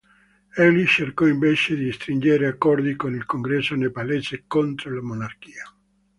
Egli cercò invece di stringere accordi con il Congresso Nepalese contro la monarchia.